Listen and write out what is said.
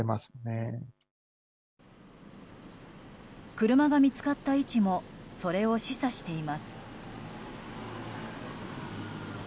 車が見つかった位置もそれを示唆しています。